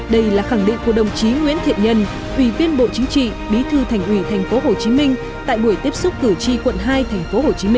đây là khẳng định của đồng chí nguyễn thiện nhân ủy viên bộ chính trị bí thư thành ủy tp hcm tại buổi tiếp xúc cử tri quận hai tp hcm